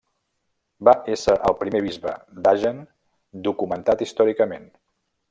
Va ésser el primer bisbe d'Agen documentant històricament.